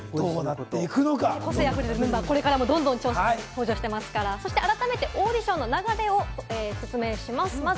個性あふれるメンバーが登場していますから、改めてオーディションの流れを説明します。